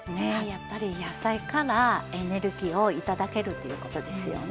やっぱり野菜からエネルギーを頂けるっていうことですよね。